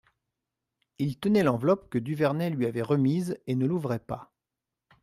Il tenait l'enveloppe que Duvernet lui avait remise et ne l'ouvrait pas.